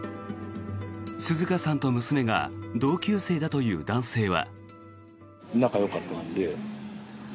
紗花さんと娘が同級生だという男性は。